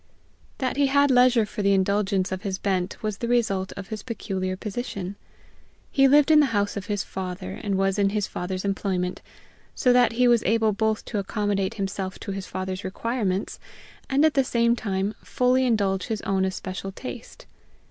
That he had leisure for the indulgence of his bent was the result of his peculiar position. He lived in the house of his father, and was in his father's employment, so that he was able both to accommodate himself to his father's requirements and at the same time fully indulge his own especial taste.